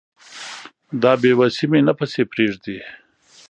دا بې وسي مي نه پسې پرېږدي